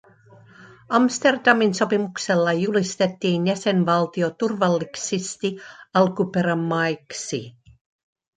Amsterdamin sopimuksella julistettiin jäsenvaltiot turvallisiksi alkuperämaiksi.